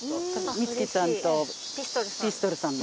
充希さんとピストルさんの。